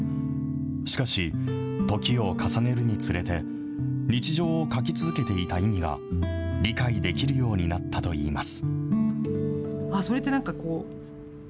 しかし、時を重ねるにつれて、日常を描き続けていた意味が理解できるようになったといいます。